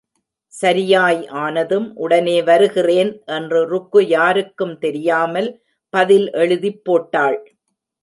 சரியாய் ஆனதும் உடனே வருகிறேன். என்று ருக்கு யாருக்கும் தெரியாமல் பதில் எழுதிப் போட்டாள்.